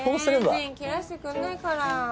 ジン切らせてくれないから。